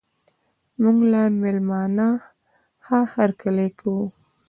موږ له میلمانه ښه هرکلی کوو.